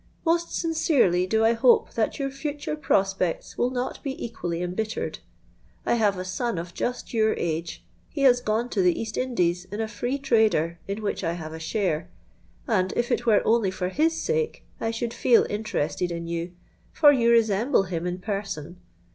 Most sincerely do I hope that your future prospects will not be equally embittered. I have a son of just your age;—he has gone to the East Indies in a free trader in which I have a share; and, if it were only for his sake, I should feel interested in you, for you resemble him in person.